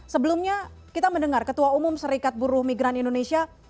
sebelumnya kita mendengar ketua umum serikat buruh migran indonesia